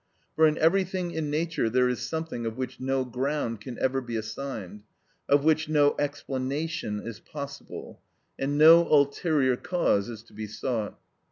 For in everything in nature there is something of which no ground can ever be assigned, of which no explanation is possible, and no ulterior cause is to be sought.